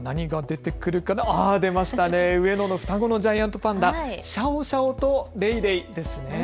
上野の双子のジャイアントパンダ、シャオシャオとレイレイですね。